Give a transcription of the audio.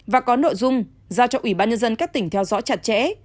và có nội dung giao cho ubnd các tỉnh theo dõi chặt chẽ